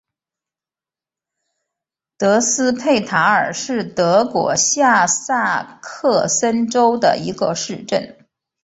德斯佩塔尔是德国下萨克森州的一个市镇。